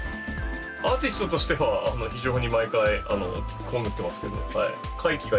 アーティストとしては非常に毎回被ってますけど。